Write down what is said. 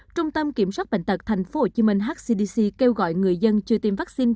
trung tâm kiểm soát bệnh tật thành phố hồ chí minh hcdc kêu gọi người dân chưa tiêm vaccine